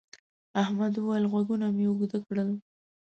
احمد وويل: غوږونه مې اوږده کړل.